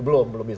belum belum bisa